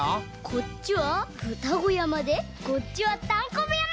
こっちはふたごやまでこっちはたんこぶやま！